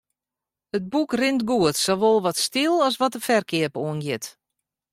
It boek rint goed, sawol wat styl as wat de ferkeap oangiet.